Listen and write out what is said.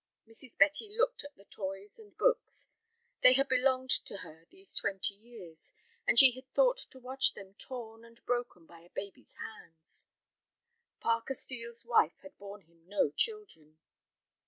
Mrs. Betty looked at the toys and books; they had belonged to her these twenty years, and she had thought to watch them torn and broken by a baby's hands. Parker Steel's wife had borne him no children.